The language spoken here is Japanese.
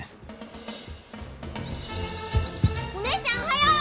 お姉ちゃんおはよう！